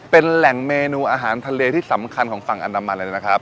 เป็นแหล่งเมนูอาหารทะเลที่สำคัญของฝั่งอันดามันเลยนะครับ